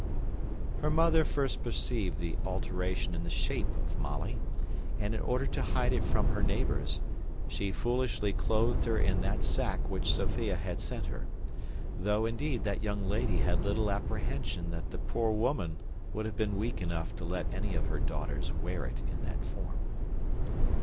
Her mother first perceived the alteration in the shape of Molly; and in order to hide it from her neighbours, she foolishly clothed her in that sack which Sophia had sent her; though, indeed, that young lady had little apprehension that the poor woman would have been weak enough to let any of her daughters wear it in that form.